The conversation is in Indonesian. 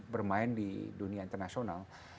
bermain di dunia internasional